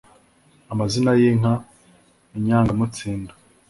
amazina y'inka inyangamutsindo